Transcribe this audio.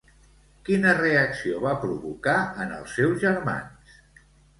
Quina reacció va provocar en els seus germans?